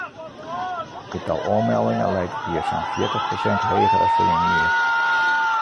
It tal oanmeldingen leit dit jier sa'n fjirtich prosint heger as ferline jier.